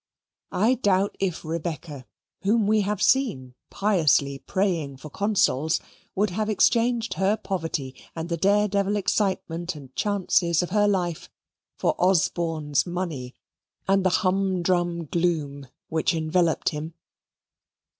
I doubt if Rebecca, whom we have seen piously praying for Consols, would have exchanged her poverty and the dare devil excitement and chances of her life for Osborne's money and the humdrum gloom which enveloped him.